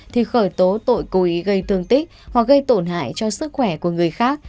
thì khởi tố tội cố ý gây thương tích hoặc gây tổn hại cho sức khỏe của người khác